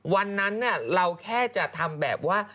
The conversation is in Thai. วันนั้นเราแค่จะทำแบบว่า